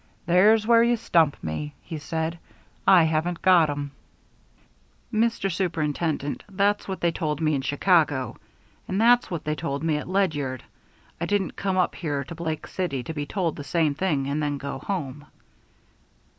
"There's where you stump me," he said. "I haven't got 'em." "Mr. Superintendent, that's what they told me in Chicago, and that's what they told me at Ledyard. I didn't come up here to Blake City to be told the same thing and then go back home."